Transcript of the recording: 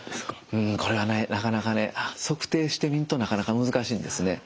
うんこれはねなかなかね測定してみんとなかなか難しいんですね。